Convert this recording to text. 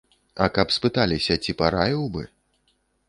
А каб спыталіся, ці параіў бы?